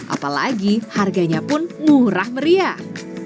apalagi harganya pun murah meriah